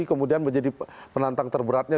kemudian menjadi penantang terberatnya